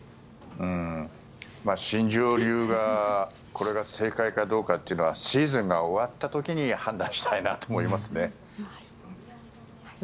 うーん新庄流がこれが正解かどうかというのはシーズンが終わった時に判断したいなと思いますね。